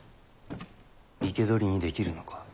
生け捕りにできるのか？